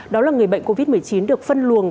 đó là người bệnh covid một mươi chín được phân luồng